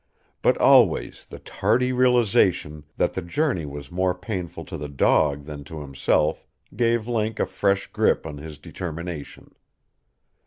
But always the tardy realization that the journey was more painful to the dog than to himself gave Link a fresh grip on his determination.